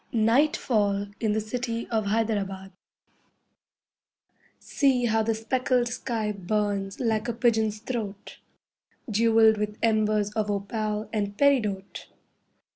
NIGHTFALL IN THE CITY OF HYDERABAD See how the speckled sky burns like a pigeon's throat, Jewelled with embers of opal and peridote.